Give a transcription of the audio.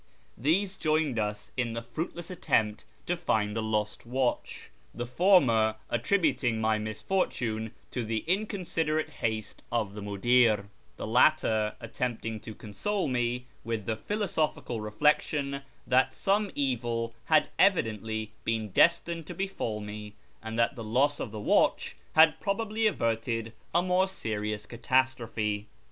These joined us in FROM ENGLAND TO THE PERSIAN FRONTIER 39 the fruitless attempt to find the lost watch, the former attri Ijuting my misfortune to the inconsiderate haste of the mudir, the latter attempting to console me with the philosophical reflection that some evil had evidently been destined to befall me, and that the loss of the watch had probably averted a more serious catastrophe.